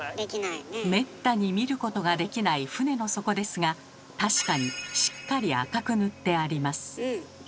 めったに見ることができない船の底ですが確かにしっかり赤く塗ってあります。